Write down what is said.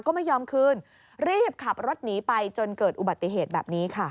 ก็ไม่ยอมคืนรีบขับรถหนีไปจนเกิดอุบัติเหตุแบบนี้ค่ะ